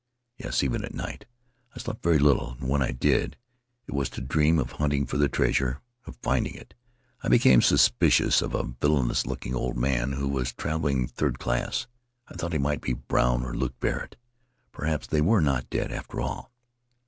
Yes, even at night. I slept very little, and when I did it was to dream of hunting for the treasure; of finding it. I became suspicious of a villainous looking old man who was traveling third The Englishman's Story class. I thought he might be Brown or Luke Barrett. Perhaps they were not dead, after all.